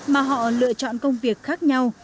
mà họ lựa chọn công việc khác nhau